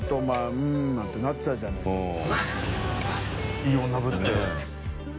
いい女ぶって。